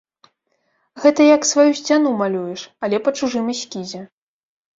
Гэта як сваю сцяну малюеш, але па чужым эскізе.